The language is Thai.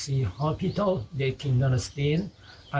ยังไม่คุ้มกับคนใส่ตัวคนที่นี่